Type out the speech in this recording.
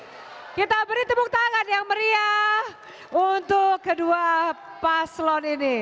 oke kita beri tepuk tangan yang meriah untuk kedua paslon ini